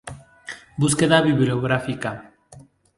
Búsqueda bibliográfica